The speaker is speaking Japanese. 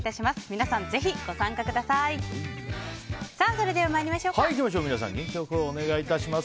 皆さん、元気良くお願いします。